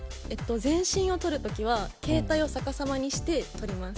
全身を撮る時は携帯を逆さまにして撮ります